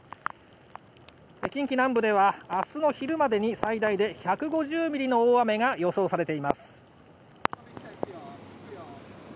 近畿南部では明日の昼までに最大で１５０ミリの大雨が予想されています。